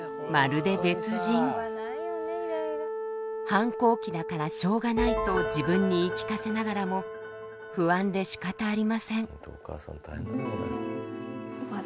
反抗期だからしょうがないと自分に言い聞かせながらも不安でしかたありません。